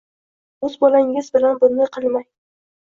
O‘z bolangiz bilan bunday qilmang.